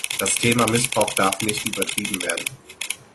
Das Thema Missbrauch darf nicht übertrieben werden.